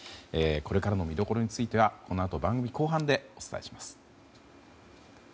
これからの見どころについては番組後半でお伝えします。